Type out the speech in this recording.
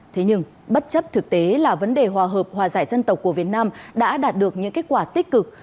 thế nhưng bất chấp thực tế là vấn đề hòa hợp hòa giải dân tộc của việt nam đã đạt được những kết quả tích cực